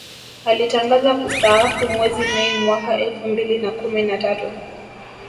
Alitangaza kustaafu mwezi Mei mwaka elfu mbili na kumi na tatu